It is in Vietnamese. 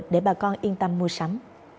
để bà con yên tâm mua sắm